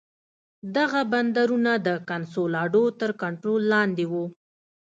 دغه بندرونه د کنسولاډو تر کنټرول لاندې وو.